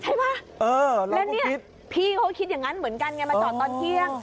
ใช่ไหมแล้วเนี่ยพี่เขาคิดอย่างนั้นเหมือนกันไงมาจอดตอนเที่ยง